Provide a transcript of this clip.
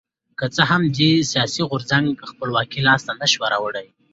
که څه هم دې سیاسي غورځنګونو خپلواکي لاسته نه شوه راوړی.